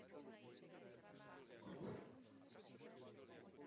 Dlouhou dobu se také jednalo o nezávislé projekty.